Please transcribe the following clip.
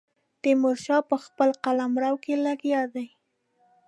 تیمور شاه په خپل قلمرو کې لګیا دی.